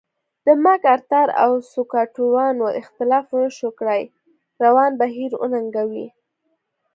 د مک ارتر او سکواټورانو اختلاف ونشو کړای روان بهیر وننګوي.